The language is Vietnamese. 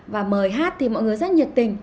và mời hát thì mọi người rất nhiệt tình